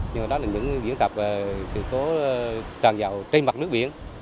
nhưng đó là những diễn tập về sự cố ràng dầu trên mặt nước biển